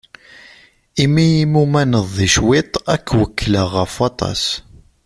Imi i mumaneḍ di cwiṭ, ad k-wekkleɣ ɣef waṭas.